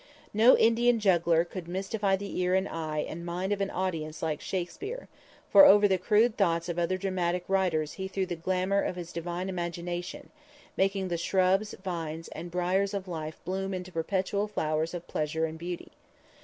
No Indian juggler could mystify the ear and eye and mind of an audience like Shakspere, for, over the crude thoughts of other dramatic writers he threw the glamour of his divine imagination, making the shrubs, vines and briers of life bloom into perpetual flowers of pleasure and beauty.